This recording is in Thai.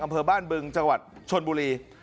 อำเภอบ้านบึงจังหวัดชนบุรี